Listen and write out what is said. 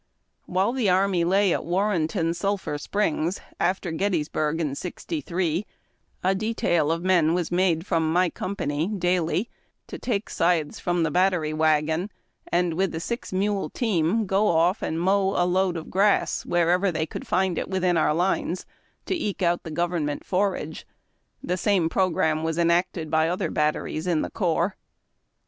While the army lay at Warrenton Sulphur Springs, after Gettysburg in '63, a detail of men was made from my company daily to take scythes from the " Battery Wagon," and, with a six mule team, go off and mow a load of grass wherever they could find it within our lines, to eke out the government forage. The same programme was enacted by other batteries in the corjDS.